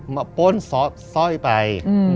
มาปนซอยไป